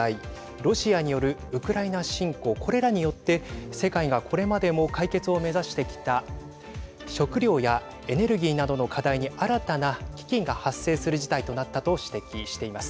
ロシアによるウクライナ侵攻これらによって世界がこれまでも解決を目指してきた食料やエネルギーなどの課題に新たな危機が発生する事態となったと指摘しています。